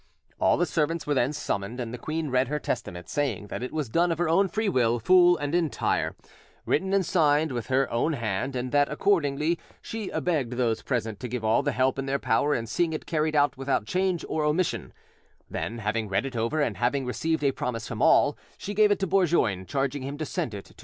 All the servants were then summoned, and the queen read her testament, saying that it was done of her own free, full and entire will, written and signed with her own hand, and that accordingly she begged those present to give all the help in their power in seeing it carried out without change or omission; then, having read it over, and having received a promise from all, she gave it to Bourgoin, charging him to send it to M.